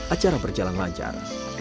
acara berjalan lancar